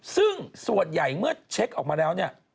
ซึ่งส่วนใหญ่เมื่อเช็คออกมาแล้วเนี่ย